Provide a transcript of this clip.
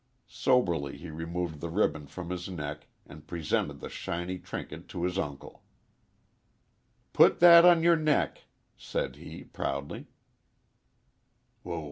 Soberly he removed the ribbon from his neck and presented the shiny trinket to his uncle. "Put that on yer neck," said he, proudly.